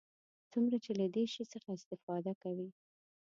څومره چې له دې شي څخه استفاده کوي.